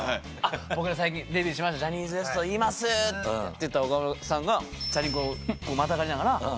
「僕ら最近デビューしましたジャニーズＷＥＳＴいいます」って言ったら岡村さんがチャリンコまたがりながら。